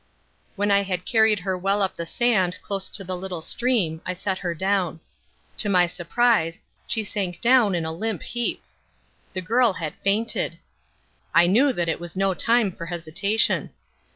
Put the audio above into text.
When I had carried her well up the sand close to the little stream, I set her down. To my surprise, she sank down in a limp heap. The girl had fainted. I knew that it was no time for hesitation.